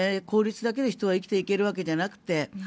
効率だけで人は生きていけるわけではなくて。